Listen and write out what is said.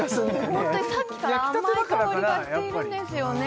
ホントにさっきから甘い香りがしているんですよね